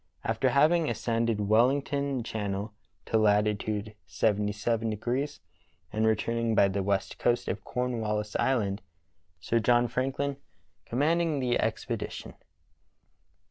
After having ascended Wellington Channel to Lat. yfy and returning by the west coast of Cornwallis Island. Sir John Franklin commanding the Expedition.